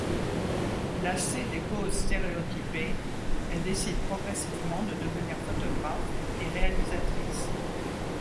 Lassée des poses stéréotypées, elle décide progressivement de devenir photographe et réalisatrice.